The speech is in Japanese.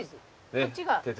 こっちが。